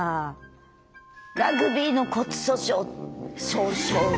ラグビーの骨粗しょう症嫌ね。